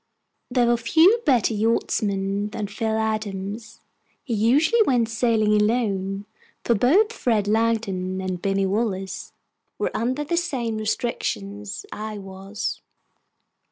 There were few better yachtsmen than Phil Adams. He usually went sailing alone, for both Fred Langdon and Binny Wallace were under the same restrictions I was.